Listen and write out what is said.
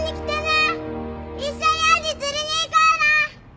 一緒にアジ釣りに行こうな！